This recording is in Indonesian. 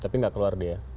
tapi nggak keluar dia